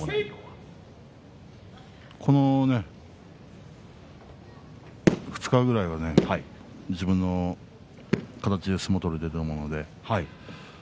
この２日くらいは自分の形で相撲を取れていると思います。